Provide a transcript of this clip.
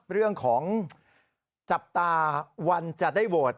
เรื่องของจับตาวันจะได้โหวต